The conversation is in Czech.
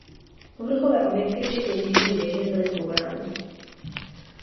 Povrchové objekty včetně těžní věže byly zbourány.